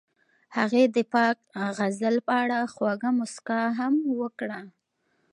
هغې د پاک غزل په اړه خوږه موسکا هم وکړه.